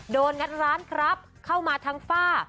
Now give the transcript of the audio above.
งัดร้านครับเข้ามาทั้งฝ้า